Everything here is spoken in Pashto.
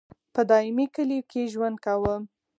په دایمي کلیو کې یې ژوند کاوه.